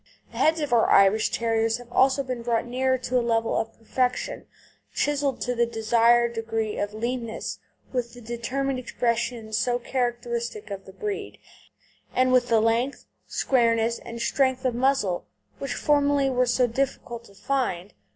The heads of our Irish Terriers have also been brought nearer to a level of perfection, chiselled to the desired degree of leanness, with the determined expression so characteristic of the breed, and with the length, squareness, and strength of muzzle which formerly were so difficult to find.